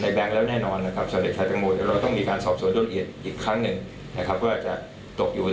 สำหรับเด็กไทยเต็มตัวเราต้องมีการสอบสวนร่วงอีกครั้งหนึ่ง